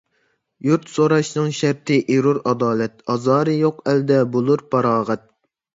يۇرت سوراشنىڭ شەرتى ئېرۇر ئادالەت، ئازارى يوق ئەلدە بولۇر پاراغەت.